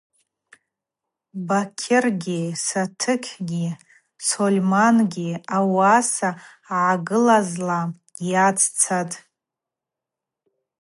Бакьыргьи Сайытгьи Сольмангьи ауасаква ъагылазла йаццатӏ.